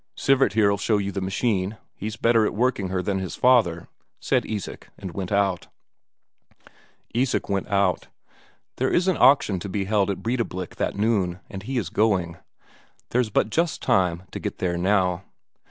"Sivert here'll show you the machine; he's better at working her than his father," said Isak, and went out. Isak went out. There is an auction to be held at Breidablik that noon, and he is going; there's but just time to get there now.